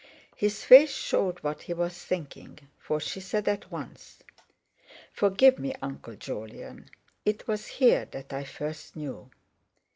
His face showed what he was thinking, for she said at once: "Forgive me, Uncle Jolyon; it was here that I first knew."